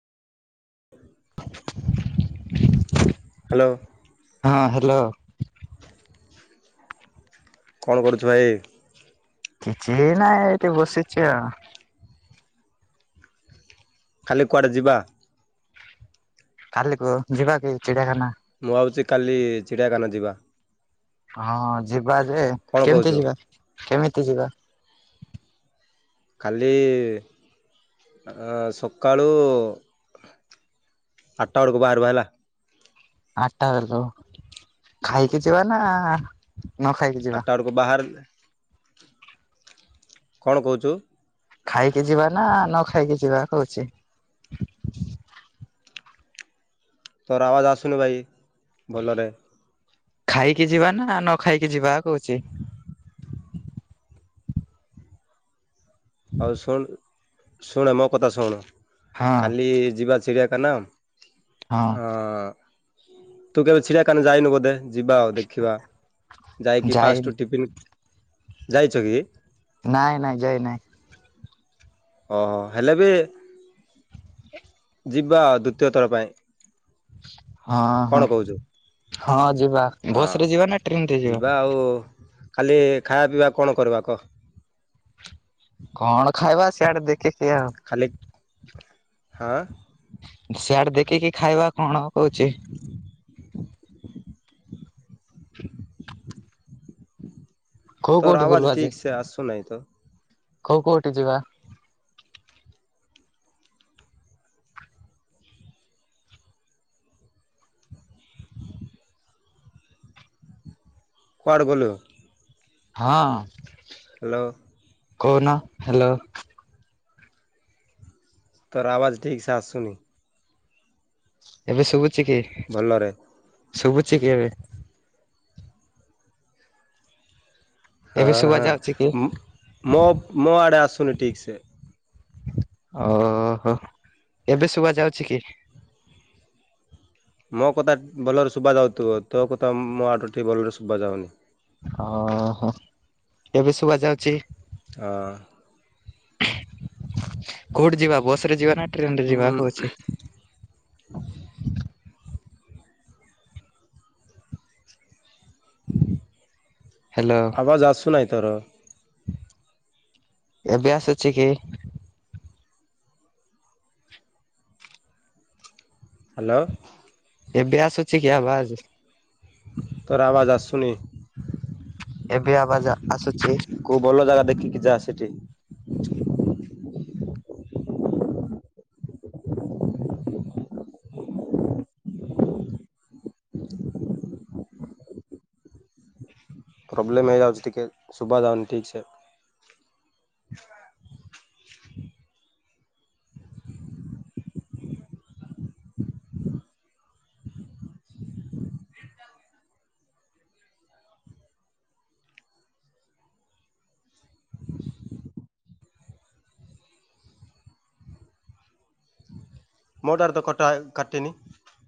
Hello. ହଁ hello. କଣ କରୁଛୁ ଭାଇ। କିଛି ନାଇଁ ଏଠି ବସିଛି ଆଉ। କାଲି କୁଆଡ଼େ ଯିବା। କାଲିକୁୁ ଯିବା କି ଚିଡିଆଖାନା। ମୁଁ ଆଉଛି କାଲି ଚିଡ଼ିଆଖାନା ଯିବା। ହଁ ଯ ଯିବା ଯେ କଣ କେମିତି କହୁଛୁ ଯିବା। କେମିତି ଯିବା? କାଲି ଆ ସକାଳୁ ଆଠଟା ବେଳକୁ ବାହାରିବା ହେଲା। ଆଟା ବେଲେ ତ ଖାଇକି ଯିବା ନା। ନ ଖାଇକି ଯିବା ଆଟା ବେଳ କୁ ବାହାରିଲେ କଣ କହୁଛୁ। ଖାଇକି ଯିବା ନା ନ ଖାଇକି ଯିବା କହୁଛି। ତୋର ଆବାଜ ଆସୁନି ଭାଇ। ଭଲରେ ଖାଇକି ଯିବା ନା ନ ଖାଇକି ଯିବା। କଉଛି। ଆଉ ଶୁଣ ଶୁଣେ ମୋ କଥା ଶୁଣ। ହଁ ଖାଲି ଯିବା ଚିଡିଆ ତାନାମ ଆ ହଁ ତୁ କେବେ ଚିଡ଼ିଆକାନ ଯାଇନୁ ବୋଧେ। ଯିବା ଆଉ ଦେଖିବା ଯାଇକି ଯାଇ ପାଷ୍ଟୁ ଟିଫିନ୍ ଯାଇଛ କି? ନାଇଁ ନାଇଁ ଯାଇ ନାଇଁ। ଓହୋ ହେଲେ ବି ଯିବା ଦ୍ଵିତୀୟ ଥର ପାଇଁ। ହଁ କଣ ହଁ କହୁଛୁ ହଁ ଯିବା ହଁ ବସରେ ଯିବା ନା ଟ୍ରେନ ରେ ଯିବା ଖାଲି ଖାଇବା ପିଇବା କଣ କରିବା କହ କଣ ଖାଇବା ସିଆଡେ ଦେ ଖାଲି ହଁ। ସିଆଡେ ଦେଖିକି ଖାଇବା କଣ କହୁଚି? କୋଉ ତୋର କୋଉଠି ଆବାଜ ବୁଲବା ଯେ ଠିକ ସେ ଆସୁ ନାହିଁ। ତ କୋଉ କୋଉଠି ଯିବା କୁଆଡ଼ ଗଲୁ ହଁ। ହାଲୋ କହୁନ ହାଲୋ ତୋର ଆବାଜ ଠିକ ସେ ଆଶୁନି ଏବେ ଶୁବୁ ଚି କି ଭଲରେ ଶୁଭୁଛି କି ଏବେ ଏବେ ହଁ ଶୁଭା ହଁ ଯାଉଛି କି? ମ ମୋ ମୋ ଆଡେ ଆସୁ ସୁବୁନି ଠିକ୍ ସେ ଓହୋ ଏବେ ଶୁଆ ଯାଉଛି କି? ମୋ କଥା ଭଲରେ ଶୁଭ ଯାଉଥିବ ତୋ କଥା ମୋ ଆଟୋଟିି ଭଲରେ ଶୁଭ ଯାଉନି ଓହୋ କେବେ ଶୁଭା ଯାଉଛି ହଁ। [inaudible] କୋଉଠି ଯିବା ବସ ରେ ଯିବା ନା ଟ୍ରେନ ରେ ଯିବା କହୁଛି। ହ୍ୟାଲୋ ଆବାଜ ଆସୁନା ଆଇ ତର ଏବେ ଆସୁଛି କି? ହାଲୋ ଏବେ ଆସ ଅଛି କି ଆବାଜ। ତୋର ଆବାଜ ଆସୁନି। ଏବେ ଆବାଜ ଆସୁଛି କୋଉ ଭଲ ଜାଗା ଦେଖିକି ଯା ସ୍ ଟି [inaudible] ପ୍ରୋବ୍ଲେମ୍ ହେଇଯାଉଛି ଟିକେ ଶୁଭାଯାଉନି ଠିକଛେ ମୋଡା ତ କଟା କାଟିିନି